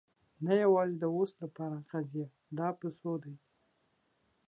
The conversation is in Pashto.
نه، یوازې د اوس لپاره قضیه. دا په څو دی؟